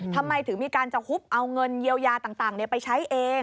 ทำไมถึงมีการจะหุบเอาเงินเยียวยาต่างไปใช้เอง